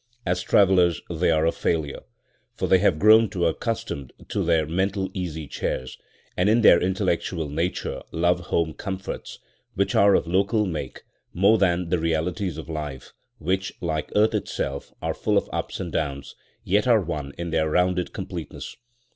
As travellers they are a failure; for they have grown too accustomed to their mental easy chairs, and in their intellectual nature love home comforts, which are of local make, more than the realities of life, which, like earth itself, are full of ups and downs, yet are one in their rounded completeness.